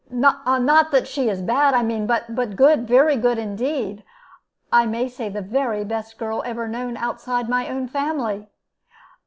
"Not that she is bad, I mean, but good, very good; indeed, I may say the very best girl ever known outside of my own family.